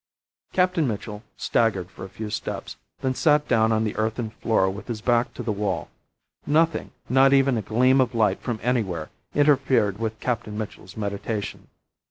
Captain Mitchell staggered for a few steps, then sat down on the earthen floor with his back to the wall. Nothing, not even a gleam of light from anywhere, interfered with Captain Mitchell's meditation.